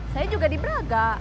saya juga di braga